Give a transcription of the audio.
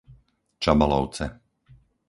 Čabalovce